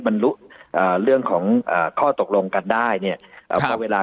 บรรลุอ่าเรื่องของอ่าข้อตกลงกันได้เนี่ยก็เวลา